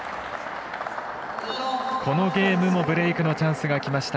このゲームもブレークのチャンスがきました。